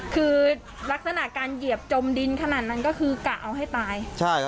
คือลักษณะการเหยียบจมดินขนาดนั้นก็คือกะเอาให้ตาย